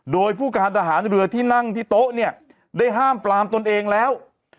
โดยผู้การทหารเรือที่นั่งที่โต๊ะเนี่ยได้ห้ามปลามตนเองแล้ว